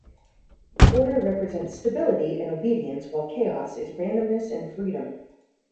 Order represents stability and obedience while Chaos is randomness and freedom.